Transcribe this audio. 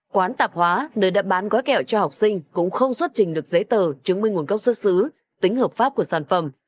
quán tạp hóa nơi đã bán quái kẹo cho học sinh cũng không xuất trình được giấy tờ chứng minh nguồn gốc xuất xứ tính hợp pháp của sản phẩm